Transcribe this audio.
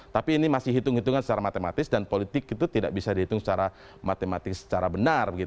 tapi ini masih hitung hitungan secara matematis dan politik itu tidak bisa dihitung secara matematik secara benar